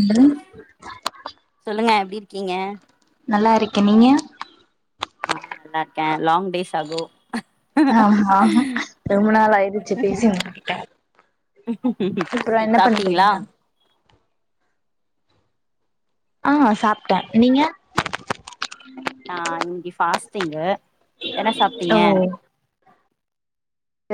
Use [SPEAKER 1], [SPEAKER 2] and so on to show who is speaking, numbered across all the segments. [SPEAKER 1] அப்பறோ
[SPEAKER 2] சொல்லுங்க எப்டி இருக்கீங்க
[SPEAKER 1] நல்லா இருக்கே நீங்க
[SPEAKER 2] ஆ நல்லா இருக்கே லாங் டேஸ் அகோ
[SPEAKER 1] ஆமா ரொம்ப நாள் ஆயிடுச்சு பேசி உங்ககிட்ட அப்றோ என்ன
[SPEAKER 2] சாப்ட்டீங்களா
[SPEAKER 1] பண்றீங்க ஆ சாப்ட்ட நீங்க
[SPEAKER 2] ஆ இன்னைக்கி ஃபாஸ்ட்டிங்கு என்ன
[SPEAKER 1] ஓ
[SPEAKER 2] சாப்ட்டீங்க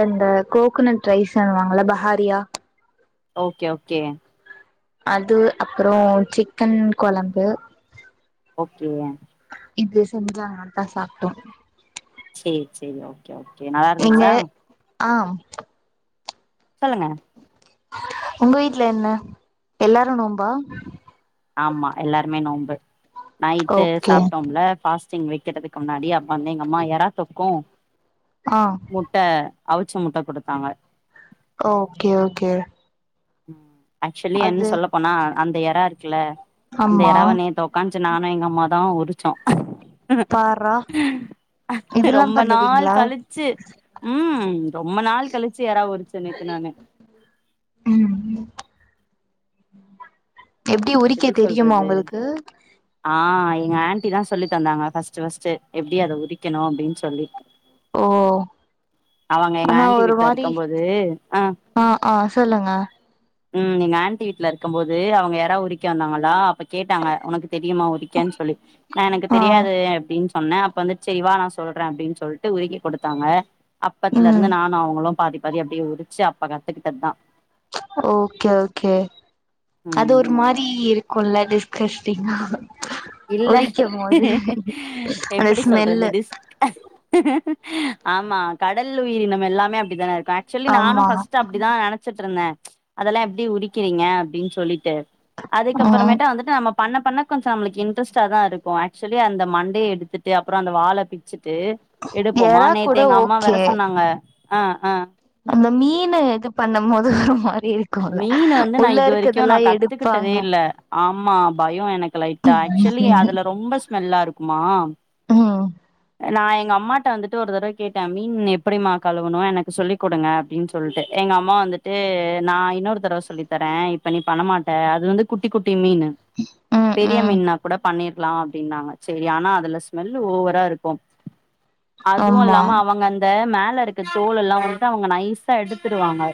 [SPEAKER 1] இந்த கோகனட் ரைஸ் சொல்லுவாங்கள பஹாரியா
[SPEAKER 2] ஓகே ஓகே
[SPEAKER 1] அது அப்பறோ சிக்கன் கொழம்பு
[SPEAKER 2] ஓகே
[SPEAKER 1] இது செஞ்சா ந தா சாப்ட்டோ
[SPEAKER 2] சேரி சேரி ஓகே ஓகே நல்லாருந்துச்சா
[SPEAKER 1] ஆம்
[SPEAKER 2] சொல்லுங்க
[SPEAKER 1] உங்க வீட்ல என்ன எல்லாரு நோம்பா
[SPEAKER 2] ஆமா எல்லாருமே நோன்ம்பு நைட்டு
[SPEAKER 1] ஓகே
[SPEAKER 2] சாப்ட்டோம்ல பாஸ் டிங்க வைக்கிறதுக்கு முன்னாடி அப்ப வந்து எங்கம்மா யரா தொக்கு
[SPEAKER 1] ஆ
[SPEAKER 2] முட்ட அவுச்ச முட்ட குடுத்தாங்க
[SPEAKER 1] ஓகே ஓகே
[SPEAKER 2] ஆக்சுவலி என்னு
[SPEAKER 1] அது
[SPEAKER 2] சொல்ல போனா அ அந்த எறா இருக்குல்ல அந்த
[SPEAKER 1] ஆமா
[SPEAKER 2] எறாவ நீ தூ காஞ்சோ நானு எங்க அம்மாதா உருச்சோ
[SPEAKER 1] பார்றா இதெல்லா
[SPEAKER 2] ரொம்ப நாள்
[SPEAKER 1] பண்ணுவீங்களா
[SPEAKER 2] கழுச்சு ம் ரொம்ப நாள் கழிச்சு யாராவ உருச்சு நேத்து நானு
[SPEAKER 1] ம் ம் எப்டி உரிக்க தெரியுமா உங்களுக்கு
[SPEAKER 2] ஆ எங்க ஆண்டி தா சொல்லி தந்தாங்க ஃபர்ஸ்ட்டு ஃபர்ஸ்ட்டு எப்டி அத உரிக்கணு அப்டின் சொல்லி
[SPEAKER 1] ஓ
[SPEAKER 2] அவங்க எங்க
[SPEAKER 1] ஆனா
[SPEAKER 2] ஆன்ட்டி
[SPEAKER 1] ஒரு
[SPEAKER 2] வீட்ல
[SPEAKER 1] மாரி
[SPEAKER 2] இருக்கும் போது
[SPEAKER 1] ஆ ஆ சொல்லுங்க
[SPEAKER 2] ம் எங்க ஆண்டி வீட்ல இருக்கும் போது அவங்க யரா உரிக்க வந்தாங்களா அப்ப கேட்டாங்க உனக்கு தெரியுமா உரிக்கன் சொல்லி நா எனக்கு
[SPEAKER 1] ஆ
[SPEAKER 2] தெரியாது அப்டின் சொ ன்னே அப்ப வந்துச் சேரிவா நா சொல்றே அப்டின் சொல்ட்டு உருக்கி குடுத்தாங்க அப்பத்துல
[SPEAKER 1] ம்
[SPEAKER 2] இருந்து நானு அவங்களு பாதி பாதி அப்டியே உரிச்சு அப்ப கத்துக்கிட்டது தா
[SPEAKER 1] ஓகே ஓகே அது
[SPEAKER 2] ம்
[SPEAKER 1] ஒரு மாதி ரி இருக்குல்ல டிஸ்கஸ்டிங்கா
[SPEAKER 2] இல்ல
[SPEAKER 1] உரிக்கும் போது அந்த
[SPEAKER 2] எப்டி சொல்றது
[SPEAKER 1] ஸ்மெல்லு
[SPEAKER 2] ரிஸ்க் ஆமா கடல் உயிரினம் எல்லாமே அப்டித்தான இருக்கு சொல்லி நானு
[SPEAKER 1] ஆமா
[SPEAKER 2] ஃபர்ஸ்ட்டு அப்படிதா நெனச்சிட்ருந்தே அதெல்லா எப்டி உரிக்கிறீங்க அப்டின்னு சொல்லிட்டு
[SPEAKER 1] ம்
[SPEAKER 2] அதுக்கப்புறமேட்ட வந்துட்டு நம்ம பண்ண பண்ண கொஞ்ச நம்மளுக்கு இன் இன்ட்ரெஸ்ட்டா தா இருக்கு ஆக்சுவலி அந்த மண்டையை எடுத்துட்டு அப்பற அந்த வாழ பிச்சுட்டு எடுப்போமா
[SPEAKER 1] எறா கூட
[SPEAKER 2] நேத்து எங்கம்மா வர
[SPEAKER 1] ஓகே
[SPEAKER 2] சொன்னாங்க அ அ
[SPEAKER 1] அந்த மீன்னு இது பண்ணம் போது ஒரு மாரி இருக்குல்ல
[SPEAKER 2] மீன் வந்து நா
[SPEAKER 1] உள்ள
[SPEAKER 2] இது வரைக்கு நா
[SPEAKER 1] இருக்கதுல்லா
[SPEAKER 2] கத்துக்கிட்டதே
[SPEAKER 1] எடுப்பாங்க
[SPEAKER 2] இல்ல ஆமா பயோ எனக்கு லைட்டா ஆக்சுவலி அதுல ரொம்ப ஸ்மெல்லா இருக்குமா
[SPEAKER 1] ம்
[SPEAKER 2] நா எங்க அம்மாட்ட வந்துட்டு ஒரு தடவ கேட்டே மீன் எப்படிமா கழவுனு எனக்கு சொல்லி குடுங்க அப்டின் சொ ல்ட்டு எங்க அம்மா வந்துட்டு நா இன்னொரு தடவ சொல்லி தரே இப்ப நீ பண்ண மாட்ட அது வந்து குட்டி குட்டி மீனு
[SPEAKER 1] ம்
[SPEAKER 2] பெரிய
[SPEAKER 1] ம்
[SPEAKER 2] மீன்னா கூட பண்ணிர்லா அப்டின்னாங்க சேரி ஆனா அதுல ஸ்மெல் ஓவரா இருக்கு அதுவும்
[SPEAKER 1] ஆமா
[SPEAKER 2] இல்லாம அவங்க அந்த மேல இருக்க தோல் எல்லாம் வந்ட்டு அவங்க நைசா எடுத்துடுவாங்க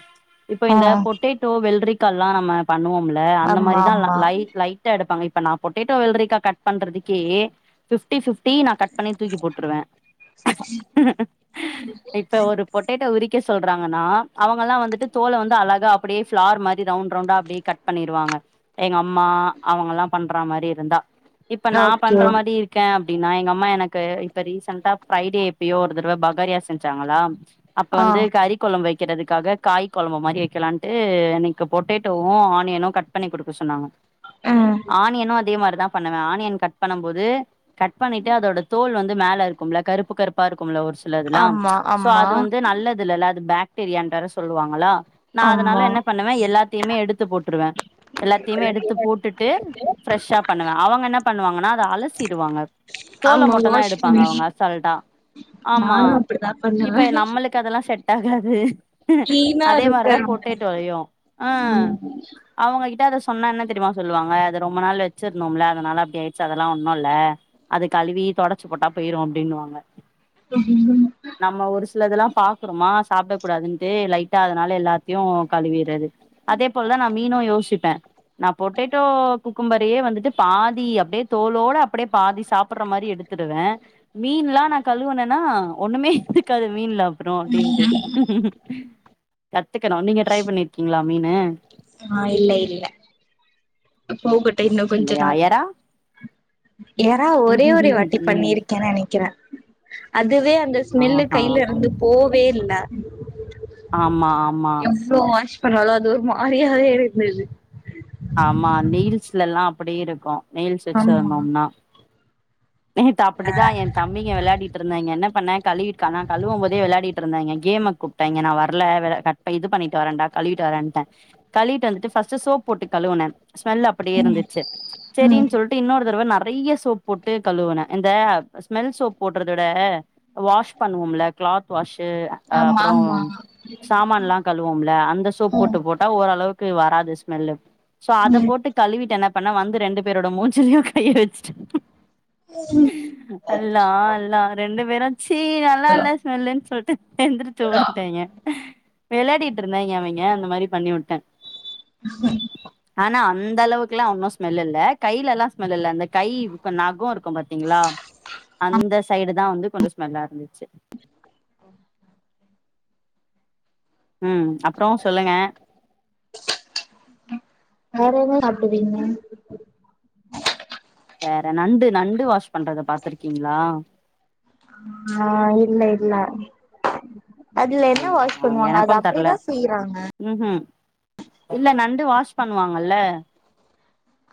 [SPEAKER 2] இப்ப
[SPEAKER 1] ஆ
[SPEAKER 2] இந்த பொட்டேட்டோ வெல்ரிக்கா லா நம்ம பண்ணுவோம்ல அந்த
[SPEAKER 1] ஆமா
[SPEAKER 2] மாரிதா ல
[SPEAKER 1] ஆமா
[SPEAKER 2] லை லை ட்டா எடுப்பாங்க இப்ப நான் பொட்டேட்டோ வெல்ரிக்கா கட் பண்றதுக்கே ஃப்டி ஃப்டி நா கட் பண்ணி தூக்கி போட்ருவ இப்ப ஒரு பொட்டேட்டோ உரிக்க சொல்றாங்கன்னா அவங்கல்லா வந்துட்டு தோல வந்து அழகா அப்படியே ஃப்ளார் மாரி ரவுண்ட் ரவுண்டா அப்டியே கட் பண்ணிருவாங்க எங்க அம்மா அவுங்க லா பண்ற மாரி ருந்தா இப்ப நா
[SPEAKER 1] ஓகே
[SPEAKER 2] பண்ற மாரி இரு க்க அப்டின்னா எங்க அம்மா எனக்கு இப்ப ரீசெண்ட்டா ஃப்ரைடே எப்பயோ ஒரு தரவ பகாரியா செஞ்சாங்களா அப்ப
[SPEAKER 1] ஆ
[SPEAKER 2] வந்து கறிக் கொழம்பு வெக்கறதுக்காக காய்க் கொழம்பு மாரி வெக்கலான்ட்டு எனக்கு பொட்டேட்டோவு ஆனியனு கட் பண்ணிக் குடுக்க சொன்னாங்க
[SPEAKER 1] ம்
[SPEAKER 2] ஆனியனு அதே மாரிதா பண்ணுவ ஆனியன் கட் பண்ணும் போது கட் பண்ணிட்டு அதோட தோல் வந் து மேல இருக்கும்ல கருப்பு கருப்பா இருக்கும்ல ஒரு சிலதுல்லா
[SPEAKER 1] ஆமா
[SPEAKER 2] சோ
[SPEAKER 1] ஆமா
[SPEAKER 2] அது வந்து நல்லதுல்ல அது ப ட்ரியான்ட்ற சொல்வாங்களா நா
[SPEAKER 1] ஆமா
[SPEAKER 2] அதனால என்ன பண்ணுவ எல்லாத்தியுமே எடுத்துப் போட்டுருவ எல்லாத்தியுமே எடுத்துப் போட்டுட்டு ஃப்ரெஷ்ஷா பண்ணுவ அவங்க என்ன பண்ணுவாங்கன்னா அத அலசிருவாங்க தோல
[SPEAKER 1] ஆமா
[SPEAKER 2] மட்டு தா
[SPEAKER 1] வாஷ்
[SPEAKER 2] எடுப்பாங்க
[SPEAKER 1] பண்ணி
[SPEAKER 2] அவங்க அசல்ட்டா ஆமா
[SPEAKER 1] நானு அப்டிதா பண்ணுவே
[SPEAKER 2] இப்ப நம்மளுக் எனக் அதெல்லா செட் ஆகாது
[SPEAKER 1] கிளீனா
[SPEAKER 2] அதே
[SPEAKER 1] இருக்க
[SPEAKER 2] மார்தா பொட்டேட்டோலயு
[SPEAKER 1] ம்
[SPEAKER 2] ஆ அவங்கக் கிட்ட அத சொன்னா என்ன தெரியுமா சொல்லுவாங்க அது ரொம்ப நாள் வச்சிருந்தோம்ல அதனால அப்டி ஆயிருச்சு அதெல்லா ஒன்னு இல்ல அது கழுவி தொடச்சி போட்டா போயிரும் அப்படினுவாங்க
[SPEAKER 1] உ
[SPEAKER 2] நம்ம ஒரு சிலதுலா பாக்குறோமா சாப்டக் கூடாதுன்ட்டு லைட்டா அதனால எல்லாத்தியு கழுவிறது அதே போலதான் நான் மீனும் யோசிப்பேன் நான் பொட்டேட்டோ குக்கும்பரையே வந்துட் ட்டு பாதி அப்டே தோலோட அப்படியே பாதி சாப்ட்டுற மாதிரி எடுத்துடுவேன் மீன் லா நா கழுவுனன்னா ஒண்ணுமே இருக்காது மீன்ல அப்புறோ அப்டின்ட்டு கத்துக்கணும் நீங்க ட்ரை பண்ணிருக்கீங்ளா மீனு
[SPEAKER 1] ஆ இல்லை இல்ல போகட்டும் இன்னும் கொஞ்ச
[SPEAKER 2] இல்லையா
[SPEAKER 1] நாள்
[SPEAKER 2] எறா
[SPEAKER 1] ஏரா ஒரே ஒரே வாட்டி
[SPEAKER 2] ம்
[SPEAKER 1] பண்ணிருக்கேன் நனைக்கிறேன் அதுவே அந்து ஸ்மெல்லு
[SPEAKER 2] ஆஹா
[SPEAKER 1] கைல இருந்து போவே இல்ல
[SPEAKER 2] ஆமா ஆமா
[SPEAKER 1] புரோம் வாஷ் பண்ணவால அது ஒரு மாரியாவே அதே இருந்துது
[SPEAKER 2] ஆமா நெய்ல்ஸ்ல எல்லாம் அப்டியே இருக்கும் நெயல்ஸ்
[SPEAKER 1] ஆமா
[SPEAKER 2] வச்சுருதோம்னா நேத் அப்டிதான் என் தம்பிங்க விளாடிட்டு இருந்தாய்ங்க என்ன பண்ணன் கழி கானா நா கழுவும் போதே வெளாடிட்டு இருந்தாங்க கேமுக்கு டைங்க நா வரல வெள க இது பண்ணிட்டு வரன்டா கழுவிட்டு வரன்டன் கழிட்டு வந்துட்டு ஃபஸ்ட்டு சோப் போட்டு கழுவுன ஸ்மெல் அப்டியே
[SPEAKER 1] ம்
[SPEAKER 2] இருந்துச்சு
[SPEAKER 1] ம்
[SPEAKER 2] சேரின்னு சொல்ட்டு இன்னொரு தடவ நறைய சோப் ட்டு கழுவுன இந்த ஸ்மெல் சோப் போட்றத விட வாஷ் பண்ணுவோம்ல கிளாத் வாஷ்
[SPEAKER 1] ஆமா
[SPEAKER 2] அப்புறம்
[SPEAKER 1] ஆமா
[SPEAKER 2] சாமான்ல்லாம் கழுவோம்ல அந்த சோப் போட்டு
[SPEAKER 1] ம்
[SPEAKER 2] போட்டா ஓரளவுக்கு வராது ஸ்மெல்லு சோ அத
[SPEAKER 1] ம்
[SPEAKER 2] போட்டு கழுவிட்டு என்ன பண்ண வந்து ரெண்டு பேரோட மூஞ்சலயும் கைய வச்சுட்
[SPEAKER 1] [inaudible]
[SPEAKER 2] அல்லா அல்லா ரெண்டு பேரும் சீ நல்லா இல்ல தெர்லன்னு சொல்ட்டு எந்துருச்சு ஓடிட்டாங்கே விளாடிட்டு இருந்தாங்க அவங்கே அந்த மாரி பண்ணிவுட்டே ஆனா அந்த அளவுக்கெல்லா ஒன்னு ஸ்மெல் இல்ல கையிலலா ஸ்மெல் இல்ல அந்த கை [unintelligible] கு இருக்கு பாத்தீங்களா அந்த சைடு தா வந்து கொஞ்ச ஸ்மெல்லா இருந்துச்சு
[SPEAKER 1] [inaudible]
[SPEAKER 2] ம் அப்பறோ சொல்லுங்க
[SPEAKER 1] வேற என்ன சாப்டுவீங்க
[SPEAKER 2] வேற நண்டு நண்டு வாஷ் பண்றத பாத்துருக்கீங்ளா
[SPEAKER 1] ஆ இல்ல இல்ல அதுல என்ன வாஷ்
[SPEAKER 2] இல்லையா
[SPEAKER 1] பண்ணுவாங்க அது
[SPEAKER 2] எனக்கு தெர்ல
[SPEAKER 1] அப்டிதா செய்றாங்க
[SPEAKER 2] ம் ஹ் இல்ல நண்டு வாஷ் பண்ணுவாங்கல்ல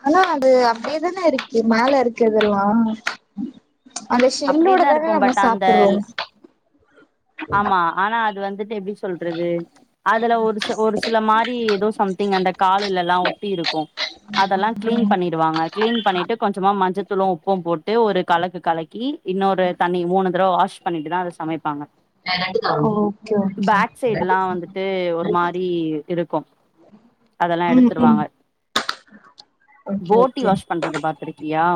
[SPEAKER 1] ஆனா அது அப்டியேதானே இருக்கு மேல இருக்குதெல்லா அந்த ஷேல்லோட
[SPEAKER 2] அப்டியேதா
[SPEAKER 1] தானே
[SPEAKER 2] இருக்கு
[SPEAKER 1] நம்ம
[SPEAKER 2] பட் அந்த
[SPEAKER 1] சாப்டுறோ
[SPEAKER 2] ஆமா ஆனா அது வந்துட்டு எப்டி சொல்றது அதுல ஒரு ச ஒரு சில மாரி ஏதோ சம்திங் அந்த கால்லல்லா ஒட்டி இருக்கு அதெல்லா கிளீன் பண்ணிடுவாங்க கிளீன் பண்ணிட்டு கொஞ்சமா மஞ்சத்தூளு உப்பு போட் டு ஒரு கலக்கு கலக்கி இன்னொரு தண்ணி மூணு தடவ வாஷ் பண்ணிட்டு தா அத சமைப்பாங்க
[SPEAKER 1] ஓகே ஓகே
[SPEAKER 2] பேக் சைடுல்லா வந்துட்டு ஒரு மாரி இருக்கு அதெல்லா
[SPEAKER 1] ம் ம்
[SPEAKER 2] எடுத்துருவாங்க
[SPEAKER 1] ஓகே
[SPEAKER 2] போட்டி
[SPEAKER 1] ஓகே
[SPEAKER 2] வாஷ் பண்றத பாத்திருக்கியா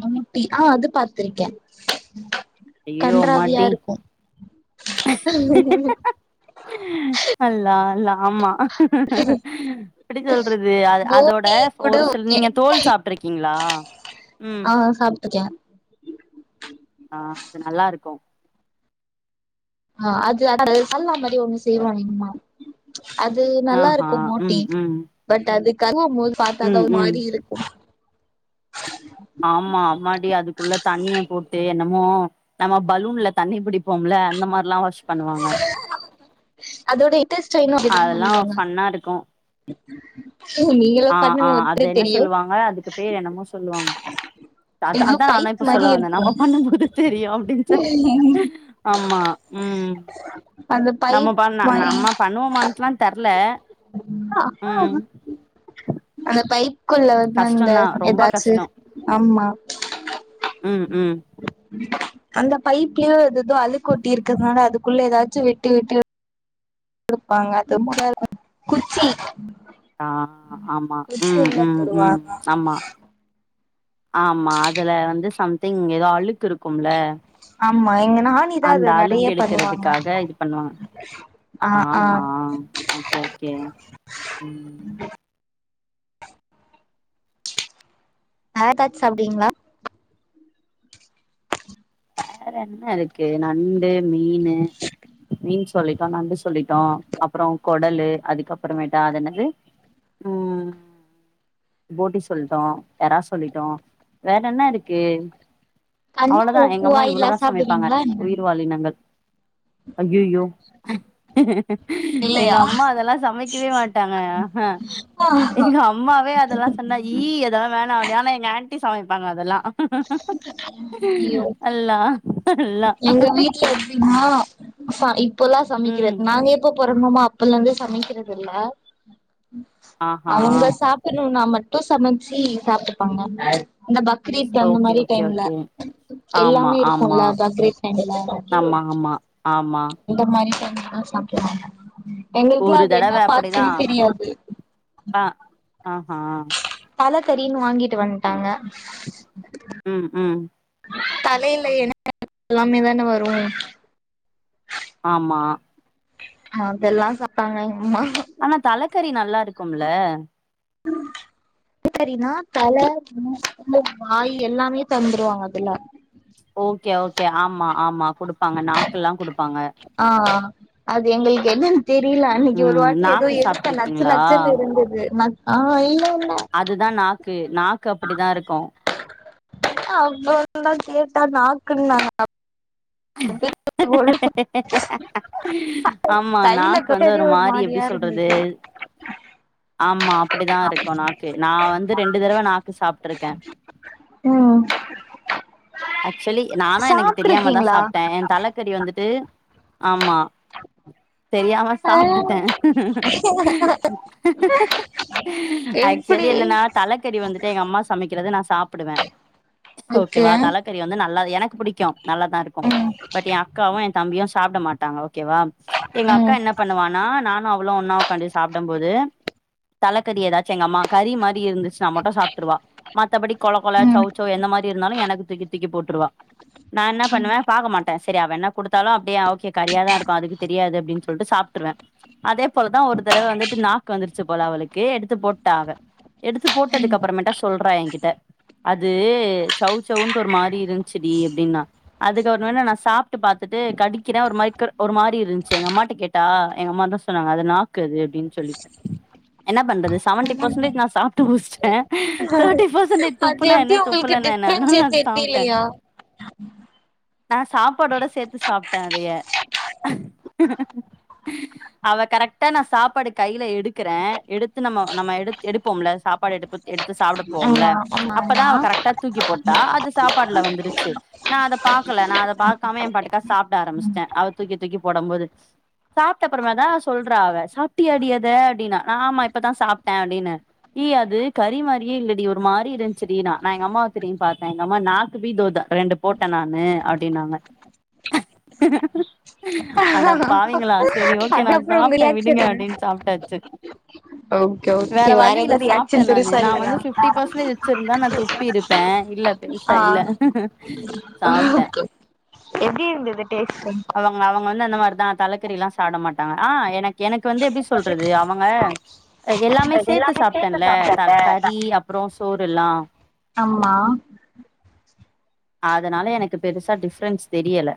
[SPEAKER 1] போட்டி ஆ அது பாத்திருக்கே
[SPEAKER 2] ஐயோ
[SPEAKER 1] கன்றாவியா
[SPEAKER 2] அம்மாடி
[SPEAKER 1] இருக்கு
[SPEAKER 2] அல்லா அல்லா ஆமா எப்டி சொல்றது அதோட
[SPEAKER 1] போட்டி கூட
[SPEAKER 2] ஒரு சில
[SPEAKER 1] ஓகே
[SPEAKER 2] நீங்க தோல் சாப்ட்ருக்கீங்ளா ம்
[SPEAKER 1] ஆ சாப்ட்டுக்கே
[SPEAKER 2] ஆ அது நல்லா இருக்கு
[SPEAKER 1] ஆ அது சால்னா மாரி ஒன்னு செய்வாங் எங்க அம்மா அது நல்லா
[SPEAKER 2] ஆஹா
[SPEAKER 1] இருக்கு மோட்டி
[SPEAKER 2] ம் ம்
[SPEAKER 1] பட் அது கழுவும் போது பாத்தாதா
[SPEAKER 2] ம்
[SPEAKER 1] ஒரு
[SPEAKER 2] ம்
[SPEAKER 1] மாரி இருக்கு
[SPEAKER 2] ஆமா அம்மாடி அதுக்குள்ள தண்ணிய போட்டு என்னமோ நம்ம பலூன்ல தண்ணி புடிப்போம்ல அந்த மாரில்லா வாஷ் பண்ணுவாங்க
[SPEAKER 1] அதோட இட்டஸ்ட்டைனு அப்டிதா பண்ணுவாங்க
[SPEAKER 2] நன்னாருக்கு
[SPEAKER 1] [inaudible] நீங்களு
[SPEAKER 2] ஆ ஆ
[SPEAKER 1] பண்ணுங்க
[SPEAKER 2] அது
[SPEAKER 1] ஒத்தர
[SPEAKER 2] என்ன
[SPEAKER 1] தெரியு
[SPEAKER 2] சொல்லுவாங்க அதுக்கு பேர் என்னமோ சொல்லுவாங்க அத
[SPEAKER 1] ஏதோ
[SPEAKER 2] அதா நானு
[SPEAKER 1] பைப்
[SPEAKER 2] இப்ப
[SPEAKER 1] மாரி
[SPEAKER 2] சொல்ல வந்தே
[SPEAKER 1] இருக்கு
[SPEAKER 2] நம்ம பண்ணும்போது தெரியு அப்டின்னு சொல்லி ஆமா ம்
[SPEAKER 1] அந்த
[SPEAKER 2] நம்ம
[SPEAKER 1] பைப்
[SPEAKER 2] பண்
[SPEAKER 1] மாரி
[SPEAKER 2] நம்ம பண்ணுவோமான்ட்லாத் தெர்ல ம்
[SPEAKER 1] அந்த பைத் குள்ள வந்த அந்த
[SPEAKER 2] கஷ்டந்தா ரொம்ப
[SPEAKER 1] ஏதாச்சு
[SPEAKER 2] கஷ்டோ
[SPEAKER 1] ஆமா
[SPEAKER 2] ம் ம்
[SPEAKER 1] அந்த பைப்லயோ எததோ அழுக்கொட்டி இருக்குதுனால அதுக்குள்ள ஏதாச்சு விட்டு விட்டு குடுப்பாங்க அது [unintelligible] குச்சி
[SPEAKER 2] ஆ ஆமா
[SPEAKER 1] குச்சி
[SPEAKER 2] ம்
[SPEAKER 1] உள்ள
[SPEAKER 2] ம் ம்
[SPEAKER 1] போடுவாங்க
[SPEAKER 2] ஆமா ஆமா அதுல வந்து சம்திங் ஏதோ அழுக்கு இருக்கும்ல
[SPEAKER 1] ஆமா எங்க நாணிதா
[SPEAKER 2] அந்த
[SPEAKER 1] அத நெறைய
[SPEAKER 2] அழுக்கு
[SPEAKER 1] பண்ணுவாங்க
[SPEAKER 2] எடுக்கறதுக்காக இது பண்ணுவாங்க
[SPEAKER 1] ஆ ஆ
[SPEAKER 2] ஆஹா ஓகே ஓகே ம்
[SPEAKER 1] வேற எதாச்சு சாப்டுவீங்ளா
[SPEAKER 2] வேற என்ன இருக்கு நண்டு மீனு மீன் சொல்லிட்டோ நண்டு சொல்லிட்டோ அப்றோ கொடலு அதுக்கப்புறமேட்டா அது என்னது ம் போட்டி சொல்ட்டோ எறா சொல்லிட்டோ வேற என்ன இருக்கு
[SPEAKER 1] அண்ணா
[SPEAKER 2] அவ்ளோதா
[SPEAKER 1] ஓடது
[SPEAKER 2] எங்க அம்மா இவ்வளதா சமைப்பாங்க உயிர்வாலினங்கள் அய்யய்யோ எங்க
[SPEAKER 1] இல்லையா
[SPEAKER 2] அம்மா அதல்லா சமைக்கவே மாட் ட்டாங்க ஆஹா எங்க அம்மாவே அதெல்லா சொன்னா ஈ அதெல்லா வேணா அப்டி ஆனா எங்க ஆன்ட்டி சமைப்பாங்க அதெல்லா
[SPEAKER 1] ஐயோ
[SPEAKER 2] அல்லா அல்லா
[SPEAKER 1] எங்க வீட்ல எப்டினா அப்பா இப்பல்லா
[SPEAKER 2] ம்
[SPEAKER 1] சமைக்கிறத் நாங்க எப்போ பொறந்தோமா அப்பல்லந்தே சமைக்கிறத் இல்ல
[SPEAKER 2] ஆஹா
[SPEAKER 1] அவங்க சாப் னுனா மட்டு சமச்சி சாப்ட்டுப்பாங்க இந்த பக்ரீத்
[SPEAKER 2] ஓகே
[SPEAKER 1] அந்தமாரி
[SPEAKER 2] ஓகே
[SPEAKER 1] டைம்ல
[SPEAKER 2] ஓகே ஆமா
[SPEAKER 1] எல்லாமே இருக்குல்ல
[SPEAKER 2] ஆமா
[SPEAKER 1] பக்ரீத் டைம்ல
[SPEAKER 2] ஆமா ஆமா ஆமா
[SPEAKER 1] இந்த மாரி செஞ்சுதா சாப்டுவாங்க எங்களுக்குளா
[SPEAKER 2] ஒரு
[SPEAKER 1] அது
[SPEAKER 2] தடவ
[SPEAKER 1] என்ன பார்ட்டுனே தெரியாது
[SPEAKER 2] அ ஆஹா
[SPEAKER 1] தலக்கறீனு வாங்கிட்டு வந்ட்டாங்க
[SPEAKER 2] ம் ம்
[SPEAKER 1] தலைல [unintelligible] எல்லாமேதான வரு
[SPEAKER 2] ஆமா
[SPEAKER 1] மொதெல்லா சாப்டாங்க எங்க அம்மா
[SPEAKER 2] ஆனா தலக்கறி நல்லாருக்கும்ல
[SPEAKER 1] [unintelligible] தலக்கறினா தல [inaudible] வாய் எல்லாமே தந்துருவாங்க அதுல
[SPEAKER 2] ஓகே ஓகே ஆமா ஆமா குடுப்பாங்க நாக்குலா குடுப்பாங்க
[SPEAKER 1] ஆ அது எங்களுக்கு என்னன் தெரில அன்னிக்கு ஒரு
[SPEAKER 2] ம்
[SPEAKER 1] வாட்டி எதோ
[SPEAKER 2] நாக்கு
[SPEAKER 1] எடுத்தே நச்சு
[SPEAKER 2] சாப்ட்ருக்கீங்களா
[SPEAKER 1] நச்சுன் இருந்தது ம ஆ இல்ல இல்ல
[SPEAKER 2] அதுதா நாக்கு நாக்கு அப்புடிதா இருக்கு
[SPEAKER 1] அப்றோதா கேட்ட நாக்குன்னாங்க [inaudible]
[SPEAKER 2] ஆமா
[SPEAKER 1] கையில
[SPEAKER 2] நாக்கு வந்து
[SPEAKER 1] தொட்டதே ஒரு
[SPEAKER 2] ஒருமாரி எப்டி
[SPEAKER 1] மாரியா
[SPEAKER 2] சொல்றது
[SPEAKER 1] இருந்தது
[SPEAKER 2] ஆமா அப்புடிதா இருக்கு நாக்கு நான் வந்து ரெண்டு தடவை நாக்கு சாப்ட்ருக்க
[SPEAKER 1] ம்
[SPEAKER 2] ஆக்சுவலி நானு எனக்கு தெரியாமதா
[SPEAKER 1] சாப்ட்ருக்கீங்களா
[SPEAKER 2] சாப் எ தலக்கறி வந்துட்டு ஆமா தெரியாம
[SPEAKER 1] ஆ
[SPEAKER 2] சாப்ட்டுட்டே
[SPEAKER 1] எப்டி
[SPEAKER 2] ஆக்சுவலி என்ன நா தலக்கறி வந்துட்டு எங்க அம்மா சமைக்கிறத நா சாப்புடுவே
[SPEAKER 1] ஓகே
[SPEAKER 2] ஓகேவா தலக் கறி வந்து நல்ல எனக்கு புடிக்கு நல்லாதா இருக்கு
[SPEAKER 1] ம்
[SPEAKER 2] பட் எ அக்காவூ எ தம்பியூ சாப்ட மாட்டாங்க ஓகேவா எங்க அக்கா
[SPEAKER 1] ம்
[SPEAKER 2] என்ன பண்ணுவானா நா னு அவ்ளு ஒன்னா உக்காண்டு சாப்டம்போது தலக்கறி எதாத் எங்கம்மா கறி மாறி இருந்துச்சுன்னா மட்டும் சாப்ட்ருவா மத்தபடி கொள கொள
[SPEAKER 1] ம்
[SPEAKER 2] சௌச் செளவ் என்ன மாறி இருந்தாலு எனக்கு தூக்கி தூக்கி போட்ருவா நா என்ன பண்ணுவே பாக்க மாட்டே சரி அவ என்ன குடுத்தாலும் அப்டியே ஓகே கறியாதா இருக்கும் அதுக்கு தெரியாது அப்டின்னு சொல்ட்டு சாப்ட்ருவே அதே போலதா ஒரு தடவ வந்துட்டு நாக்கு வந்துருச்சு போல அவளுக்கு எடுத்து போட்டா அவ எடுத்து போட்டதுக்கு அப்புறமேட்டா சொல்றா என்கிட்ட அது சௌ சௌவுன்ட்டு ஒரு மாறி இருன்ச்சுடி அப்டின்னா ஒருநாளு நா சாப்ட்டு பாத்துட்டு கடிக்கிறே ஒரு மாறி கிர் ஒரு மாறி இருன்ச்சு எங்க அம்மாட்ட கேட்டா எங்க அம்மா அத்தா சொன்னாங்க அது நாக் கு அது அப்படின்னு சொல்லி என்ன பண்றது செவன்டி பர்சன்டேஜ் நா சாப்ட்டு முடிச்சி டே தேர்ட்டி பர்சன்டேஜ் துப்புனா என்ன துப்புலன்னா என்ன அதனால நா சாப்ட்டே
[SPEAKER 1] தெரியலையா
[SPEAKER 2] நா சாப்பாடோட சேத்து சாப்ட்டே அதைய அவ கரெக்டா நா சாப்பாடு கைல எடுக்கறே எடுத் து நம்மோ நம்ம எடு எடுப்போம்ல்ல சாப்பாடு எடுப்போ எடுத்து சாப்ட போவோம்ல்ல
[SPEAKER 1] ஆமா ஆமா
[SPEAKER 2] அப்பதா
[SPEAKER 1] ஆமா
[SPEAKER 2] அவ கரெக்ட்டா தூக்கி போட்டா அது சாப்பாடுல வந்துருச்சு நா அத பாக்கல நா அத பாக்காம நா என் பாட்டுக்கா சாப்ட ஆரம்பிச்சிட்டே அவ தூக்கி தூக்கி போடம் போது சாப்ட்டப்புறமே தா சொல்றா அவ சாப்டியாடி அத அப்டின்னா நா ஆமா இப்பதான் சாப்ட்டே அப்டின்ன ய் அது கறி மாறியே இல்லடி ஒரு மாறி இருன்ச்சுடின்னா நா எங்க அம்மாவ திரும்பி பாத்தே எங்க அம்மா நாக்கு பி தோதா ரெண்டு போட்டே நானு அப்டினாங்க அடப்பாவீங்களா சரி ஓகே நா
[SPEAKER 1] அதுக்கப்புறம் உங்க
[SPEAKER 2] சாப்ட்டே விடுங்க
[SPEAKER 1] ரியாக்ஷன் என்ன
[SPEAKER 2] அப்டின்னு சாப்ட்டாச்சு
[SPEAKER 1] ஓகே ஓகே
[SPEAKER 2] வேற வழி இல்ல
[SPEAKER 1] எதுவு
[SPEAKER 2] சாப்ட்டே
[SPEAKER 1] ரியாக்ஷன்
[SPEAKER 2] நானு
[SPEAKER 1] பெருசா
[SPEAKER 2] நா
[SPEAKER 1] இல்லையா
[SPEAKER 2] வந்து பிப்டி பர்சன்டேஜ் வச்சிருந்தா நா துப்பி இருப்பே இல்ல பெருசா இல்ல
[SPEAKER 1] ஆ
[SPEAKER 2] சாப்ட்டே
[SPEAKER 1] க்கு எப்டி இருந்தது டேஸ்ட்டு
[SPEAKER 2] அவங்க அவங்க வந்து அந்த மாறிதா தலக்கறில்லா சாப்ட மாட்டாங்க ஆ எனக் எனக்கு வந்து எப்டி சொல்றது அவங்க எல்லாமே சேத்து சாப்ட்டேல்ல த கறி அப்புறோ சோறு எல்லா
[SPEAKER 1] அம்மா
[SPEAKER 2] அதனால எனக்கு பெருசா டிப்ரென்ஸ் தெரியல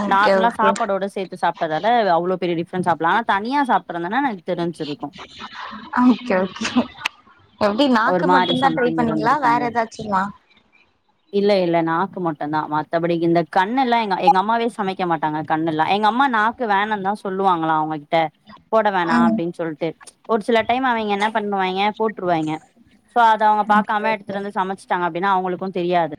[SPEAKER 1] ஓகே
[SPEAKER 2] நார்மலா
[SPEAKER 1] ஓகே
[SPEAKER 2] சாப்பாடோட சேத்து சாப்டாதான அவ்ளோ பெரிய டிப்ரென்ஸ் சாப்ட்லா ஆனா தனியா சாப்ட்ருந்தனா தெரிஞ்சிருக்கு
[SPEAKER 1] ஓகே ஓகே எப்டி
[SPEAKER 2] ஒரு
[SPEAKER 1] நாக்கு
[SPEAKER 2] மாரி
[SPEAKER 1] மட்டுதா ட்ரை
[SPEAKER 2] சம்திங்
[SPEAKER 1] பண்ணீங்ளா
[SPEAKER 2] இருந்திருக்கும்ல
[SPEAKER 1] வேற ஏதாச்சுங்ளா
[SPEAKER 2] இல்ல இல்ல நாக்கு மட்டுந்தா மத்தபடி இந்த கண் எல்லா எங் எங்க அம்மாவே சமைக் செய்ய மாட்டாங்க கண்ணுல்லா எங்க அம்மா நாக்கு வேணாந்தா சொல்லுவாங்களாம் அவங்ககிட்ட போட வேணா
[SPEAKER 1] ம்
[SPEAKER 2] அப்டின்னு சொல்ட்டு ஒரு சில டைம் அவிங்க என்ன பண்ணுவாங்க போட்ருவாங்க சோ அத அவங்க
[SPEAKER 1] ஓகே
[SPEAKER 2] பாக்காம
[SPEAKER 1] ஓகே
[SPEAKER 2] எடுத்துட்டு வந்து சமைச்சுட்டாங்க அப்டின்னா அவங்களுக்கு தெரியாது